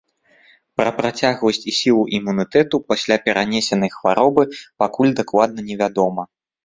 Пра працягласць і сілу імунітэту пасля перанесенай хваробы пакуль дакладна невядома.